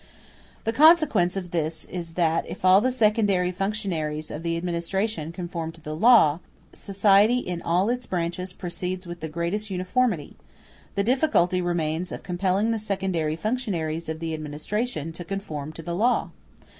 The consequence of this is that if all the secondary functionaries of the administration conform to the law, society in all its branches proceeds with the greatest uniformity: the difficulty remains of compelling the secondary functionaries of the administration to conform to the law.